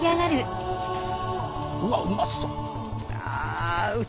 うわっうまそう！